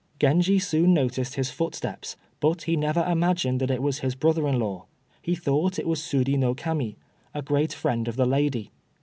Genji soon noticed his footsteps, but he never imagined that it was his brother in law. He thought it was Suri no Kami, a great friend of the lady.